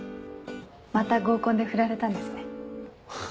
また合コンでフラれたんですね。